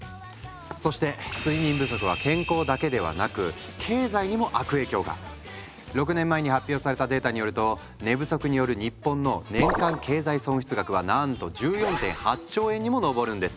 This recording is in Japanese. そして睡眠不足は健康だけではなく経済にも悪影響が⁉６年前に発表されたデータによると寝不足による日本の年間経済損失額はなんと１４．８兆円にも上るんです。